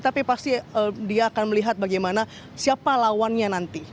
tapi pasti dia akan melihat bagaimana siapa lawannya nanti